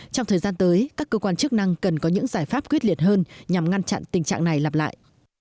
trong thời gian tới các cơ quan chức năng cần có những giải pháp quyết liệt hơn nhằm ngăn chặn tình trạng này lặp lại